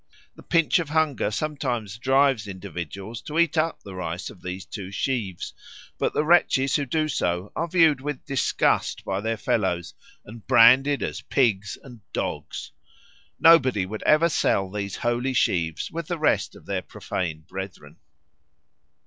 The pinch of hunger sometimes drives individuals to eat up the rice of these two sheaves, but the wretches who do so are viewed with disgust by their fellows and branded as pigs and dogs. Nobody would ever sell these holy sheaves with the rest of their profane brethren.